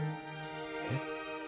えっ。